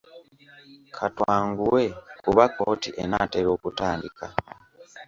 Ka twanguwe kuba kkooti enaatera okutandika.